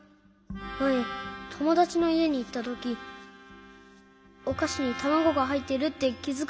まえともだちのいえにいったときおかしにたまごがはいってるってきづかずにたべちゃったんです。